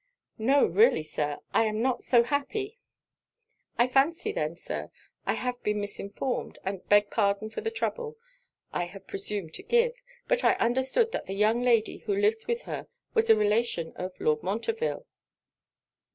'No, really Sir, I am not so happy.' 'I fancy then, Sir, I have been misinformed, and beg pardon for the trouble I have presumed to give: but I understood that the young lady who lives with her was a relation of Lord Montreville.'